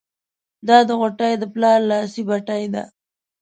دا د غوټۍ د پلار لاسي بتۍ ده.